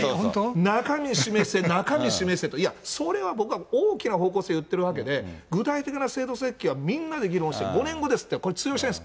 中身示せ、中身示せと、いや、それは、僕は大きな方向性を言ってるわけで、具体的な制度設計はみんなで議論して、５年後ですって、これ、通用しないんです。